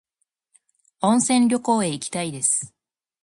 温泉旅行へ行きたいです。